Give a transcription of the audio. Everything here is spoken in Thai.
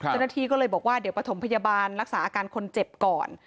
เจ้าหน้าที่ก็เลยบอกว่าเดี๋ยวประถมพยาบาลรักษาอาการคนเจ็บก่อน